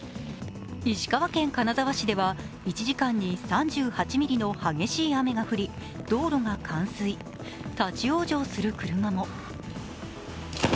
石川県金沢市では１時間に３８ミリの激しい雨が降り道路が冠水、立往生する車も。